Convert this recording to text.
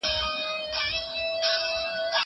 زه پرون ليکنه کوم!!